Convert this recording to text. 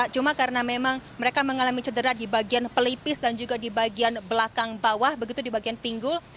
cuma karena memang mereka mengalami cedera di bagian pelipis dan juga di bagian belakang bawah begitu di bagian pinggul